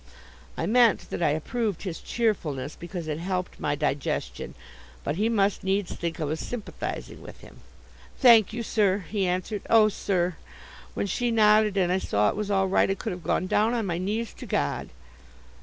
I meant that I approved his cheerfulness, because it helped my digestion, but he must needs think I was sympathizing with him. "Thank you, sir," he answered. "Oh, sir! when she nodded and I saw it was all right, I could have gone down on my knees to God."